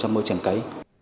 trong môi trường cấy